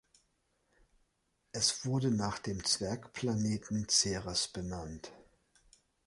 Es wurde nach dem Zwergplaneten Ceres benannt.